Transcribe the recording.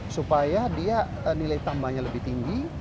supaya dia nilai tambahnya lebih tinggi